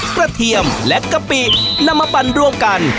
เทียมและกะปินำมาปั่นร่วมกัน